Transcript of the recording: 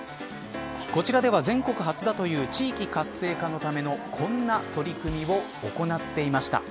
こちらでは、全国初だという地域活性化のためのこの取り組みを行っていました。